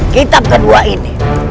kita kedua ini